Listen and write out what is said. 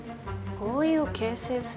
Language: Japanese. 合意を形成する？